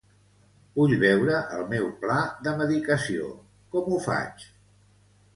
Vull veure el meu pla de medicació, com ho faig?